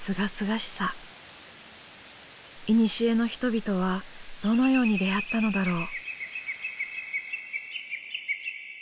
いにしえの人々はどのように出会ったのだろう。